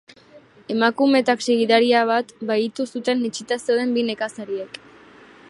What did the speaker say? Emakume taxi-gidaria bat bahitu zuten etsita zeuden bi nekazariek.